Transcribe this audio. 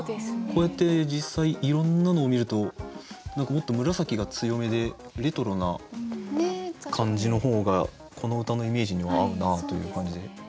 こうやって実際いろんなのを見ると何かもっと紫が強めでレトロな感じの方がこの歌のイメージには合うなという感じ。